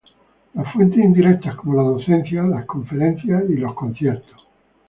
las fuentes indirectas como la docencia, las conferencias y los conciertos